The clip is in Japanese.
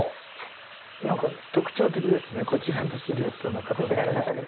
何か特徴的ですねこちらのシルエットの方だけね。